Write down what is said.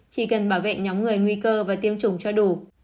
chỉ cần bảo vệ nhóm người nguy cơ và tiêm chủng cho đủ